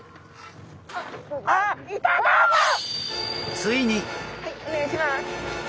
ついに！お願いします。